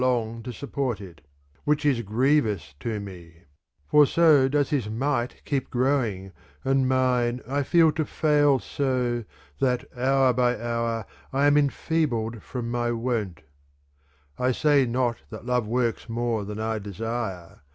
THE COMPLEMENT OF ODES 391 For so does his might keep growing and mine I feel to fail so, that hour by hour I am enfeebled from my wont. I say not that love works more than I desire